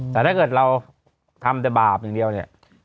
แต่ถ้าเกิดเราทำแต่บาปอย่างเดียวเนี่ย